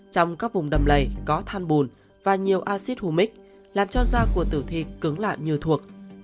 trong các vùng đầm lầy có than bùn và nhiều acid humic làm cho da của tử thi cứng lạ như thuộc